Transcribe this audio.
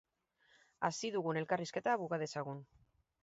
Hasi dugun elkarrizketa buka dezagun.